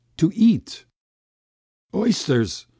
To eat! "Oysters!